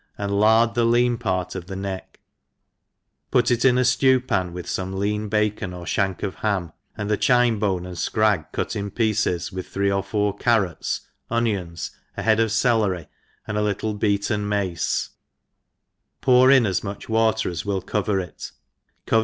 and lard the lean part of the neck» put it in a ftcw pan with fqme lean bacon or fliank of ham, and the ohine bone ^nd fcrag cut in pieces, with three or four carrots, onions, a head of celery, and a little beaten mace, pour in as much water as willcover.